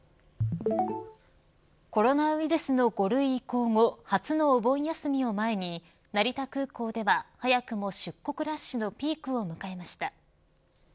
コロナウイルスの５類移行後初のお盆休みを前に成田空港では早くも出国ラッシュのピークを迎えました。